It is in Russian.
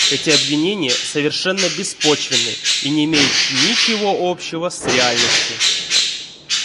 Эти обвинения совершенно беспочвенны и не имеют ничего общего с реальностью.